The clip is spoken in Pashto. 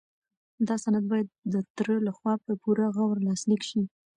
دا سند باید د تره لخوا په پوره غور لاسلیک شي.